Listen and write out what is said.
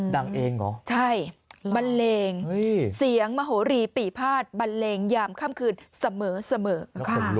เดี๋ยวเดังเองเหรอ